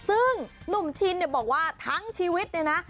ซึ่งหนุ่มชินเนี่ยบอกว่าทั้งชีวิตเนี่ยนะ